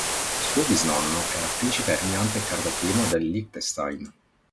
Suo bisnonno era il principe regnante Carlo I del Liechtenstein.